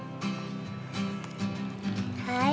はい。